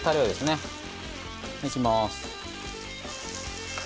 いきます。